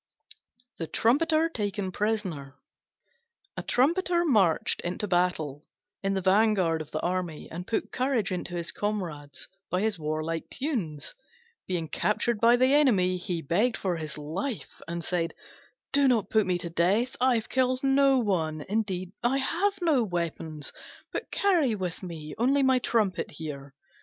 THE TRUMPETER TAKEN PRISONER A Trumpeter marched into battle in the van of the army and put courage into his comrades by his warlike tunes. Being captured by the enemy, he begged for his life, and said, "Do not put me to death; I have killed no one: indeed, I have no weapons, but carry with me only my trumpet here."